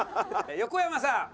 横山さん